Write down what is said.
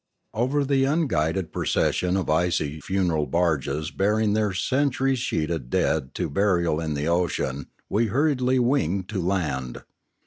Over the unguided procession of icy funeral barges, bearing their century sheeted dead to burial in the ocean, we hurriedly winged to land.